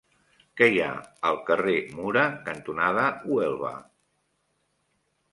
Què hi ha al carrer Mura cantonada Huelva?